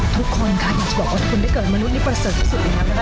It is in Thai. ทุกคนคะอยากจะบอกว่าคนที่เกิดมนุษย์ประเสริฐที่สุดนะครับ